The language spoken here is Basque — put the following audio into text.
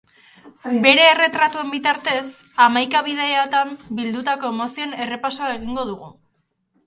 Bere erretratuen bitartez, hamaika bidaiatan bildutako emozioen errepasoa egingo du.